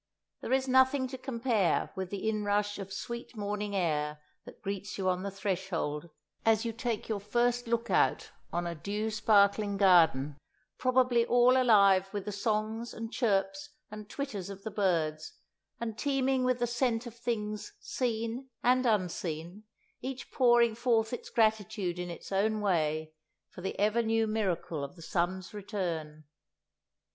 There is nothing to compare with the inrush of sweet morning air that greets you on the threshold, as you take your first look out on a dew sparkling garden, probably all alive with the songs and chirps and twitters of the birds, and teeming with the scents of things seen and unseen, each pouring forth its gratitude in its own way for the ever new miracle of the sun's return.